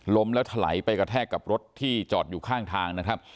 ล้มแล้วถลายไปกระแทกกับรถที่จอดอยู่ข้างทางนะครับ